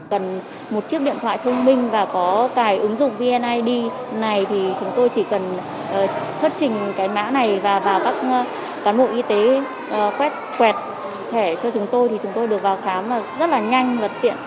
cần một chiếc điện thoại thông minh và có cài ứng dụng vnid này thì chúng tôi chỉ cần xuất trình cái mã này và vào các cán bộ y tế quét quẹt thẻ cho chúng tôi thì chúng tôi được vào khám rất là nhanh vật tiện